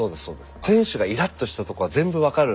選手がイラッとしたとこは全部分かる。